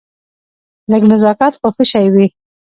لږ نزاکت خو ښه شی وي.